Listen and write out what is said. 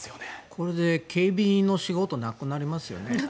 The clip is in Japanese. これで警備員の仕事なくなりますよね。